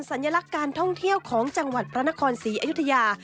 สัญลักษณ์การท่องเที่ยวของจังหวัดพระนครศรีอยุธยา